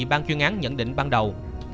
ban chuyên án nhận định ban đầu